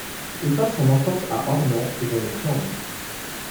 Il passe son enfance à Ornans et dans les Flandres.